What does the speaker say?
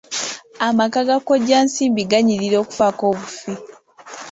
Amaka ga kkoja Nsimbi ganyirira okufaako obufi.